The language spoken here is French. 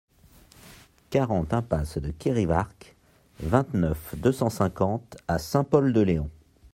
quarante impasse de Kerivarc'h, vingt-neuf, deux cent cinquante à Saint-Pol-de-Léon